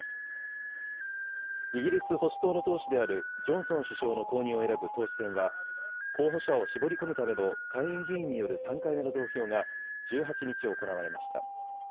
イギリス保守党の党首であるジョンソン首相の後任を選ぶ党首選は、候補者を絞り込むための下院議員による３回目の投票が、１８日行われました。